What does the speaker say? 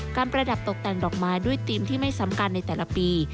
ประดับตกแต่งดอกไม้ด้วยธีมที่ไม่สำคัญในแต่ละปี